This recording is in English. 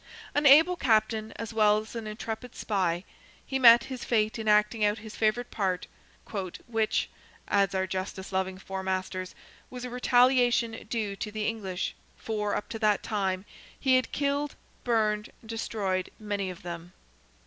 An able captain, as well as an intrepid spy, he met his fate in acting out his favourite part, "which," adds our justice loving Four Masters, "was a retaliation due to the English, for, up to that time, he had killed, burned, and destroyed many of them."